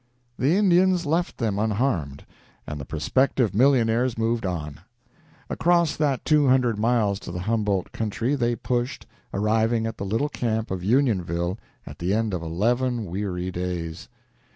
The Indians left them unharmed, and the prospective millionaires moved on. Across that two hundred miles to the Humboldt country they pushed, arriving at the little camp of Unionville at the end of eleven weary days.